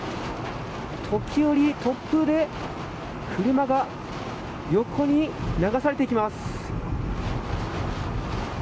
時折、突風で車が横に流されていきます。